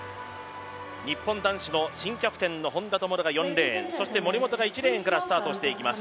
日本男子の新キャプテンの本多灯が４レーンそして森本が１レーンからスタートです。